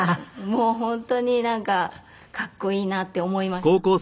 もう本当になんかかっこいいなって思いましたね。